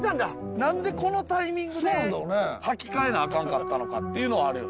なんでこのタイミングで履き替えなアカンかったのかっていうのはあるよな。